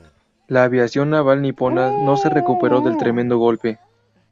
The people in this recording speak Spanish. La aviación naval nipona no se recuperó del tremendo golpe.